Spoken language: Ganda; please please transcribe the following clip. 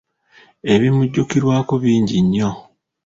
Ebimujjukirwako bing nnyo.